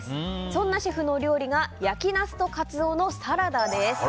そんなシェフのお料理が焼きナスとカツオのサラダです。